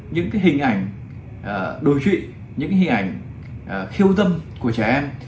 những hình ảnh đối chuyện những hình ảnh khiêu dâm của trẻ em